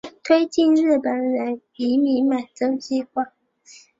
推进日本人移民满洲计划。